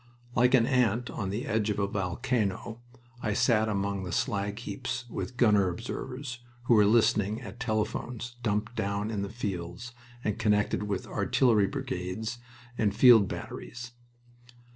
Like an ant on the edge of a volcano I sat among the slag heaps with gunner observers, who were listening at telephones dumped down in the fields and connected with artillery brigades and field batteries.